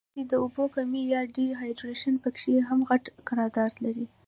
ځکه چې د اوبو کمے يا ډي هائيډرېشن پکښې هم غټ کردار لري